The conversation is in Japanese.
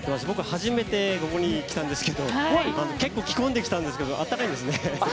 僕は初めてここに来たんですけど結構着込んできたんですけど暖かいですね。